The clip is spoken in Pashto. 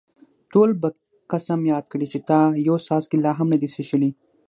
ټول به قسم یاد کړي چې تا یو څاڅکی لا هم نه دی څښلی.